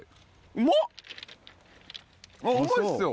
うまいっすよ。